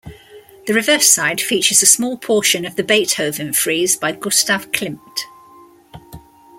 The reverse side features a small portion of the "Beethoven Frieze" by Gustav Klimt.